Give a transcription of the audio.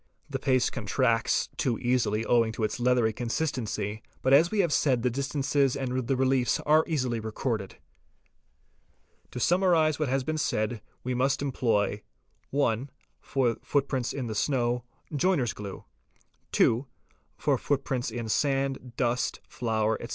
The paste contracts too easily owing to its leathery consistency, but as we have said the distances and the reliefs are easily recorded. To summarise what has been said we must employ :— (1) for footprints in the snow: joiner's glue ; (2) for footprints in sand, dust, flour, etc.